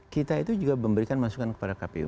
kita itu juga memberikan masukan kepada kpu